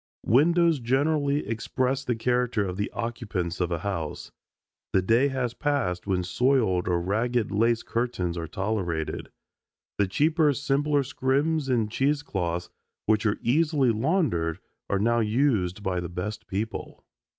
Windows generally express the character of the occupants of a house. The day has passed when soiled or ragged lace curtains are tolerated. The cheaper simpler scrims and cheese cloths which are easily laundered are now used by the best people.